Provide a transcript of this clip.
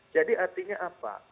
jadi artinya apa